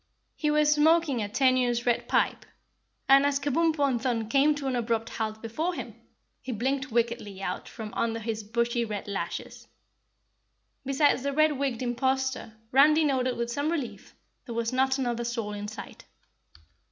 He was smoking a tenuous red pipe, and, as Kabumpo and Thun came to an abrupt halt before him, he blinked wickedly out from under his bushy red lashes. Besides the red wigged imposter Randy noted with some relief, there was not another soul in sight.